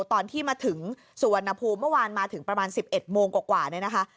ตอนที่มาถึงสุวรรณภูมิเมื่อวานมาถึงประมาณ๑๑โมงกว่าเนี่ยนะคะ